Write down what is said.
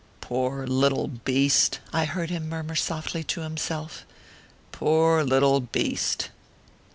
" Poor little beast !" I heard him murmur softly to himself " poor little beast